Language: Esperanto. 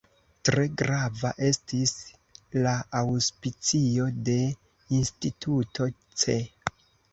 Tre grava estis la aŭspicio de Instituto Ce.